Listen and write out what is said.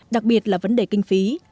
đặc biệt là vấn đề kinh phí